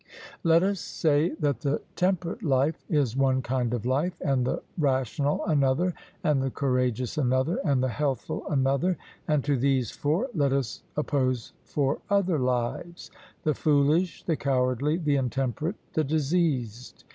Let us say that the temperate life is one kind of life, and the rational another, and the courageous another, and the healthful another; and to these four let us oppose four other lives the foolish, the cowardly, the intemperate, the diseased.